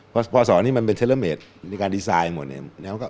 เพราะสอนี้เป็นเทลโรเมตรแล้วกินมาก